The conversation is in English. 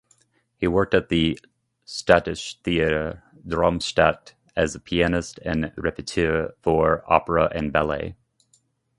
He worked at the Staatstheater Darmstadt as pianist and repetiteur for opera and ballet.